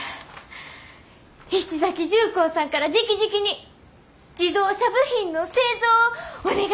菱崎重工さんからじきじきに自動車部品の製造をお願いしたいと。